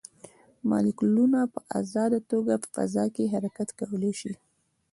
مالیکولونه په ازاده توګه په فضا کې حرکت کولی شي.